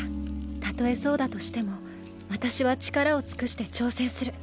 たとえそうだとしても私は力を尽くして挑戦する。